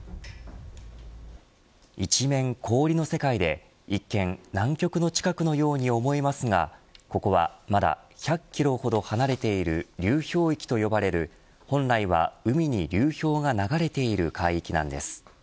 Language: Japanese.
一面、氷の世界で一見、南極の近くのように思えますがここはまだ１００キロほど離れている流氷域と呼ばれる本来は海に流氷が流れている海域なんです。